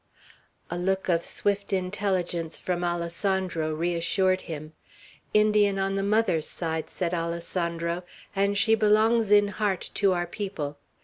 A look of swift intelligence from Alessandro reassured him. "Indian on the mother's side!" said Alessandro, "and she belongs in heart to our people.